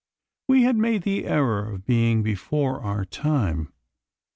We had made the error of being before our time.